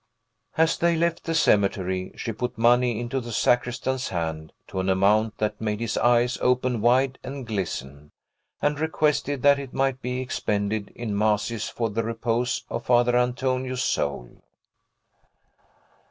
As they left the cemetery she put money into the sacristan's hand to an amount that made his eyes open wide and glisten, and requested that it might be expended in masses for the repose of Father Antonio's soul.